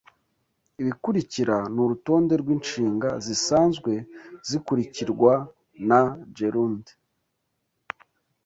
Ibikurikira nurutonde rwinshinga zisanzwe zikurikirwa na gerund